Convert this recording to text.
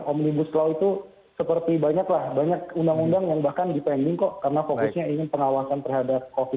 omnibus law itu seperti banyaklah banyak undang undang yang bahkan dipending kok karena fokusnya ingin pengawasan terhadap covid sembilan belas